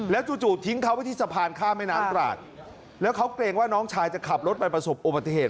จู่ทิ้งเขาไว้ที่สะพานข้ามแม่น้ำตราดแล้วเขาเกรงว่าน้องชายจะขับรถไปประสบอุบัติเหตุ